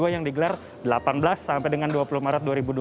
yang digelar delapan belas sampai dengan dua puluh maret dua ribu dua puluh